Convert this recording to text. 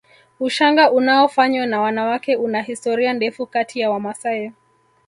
Ushanga unaofanywa na wanawake una historia ndefu kati ya Wamasai